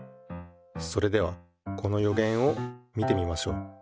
それではこのよげんを見てみましょう。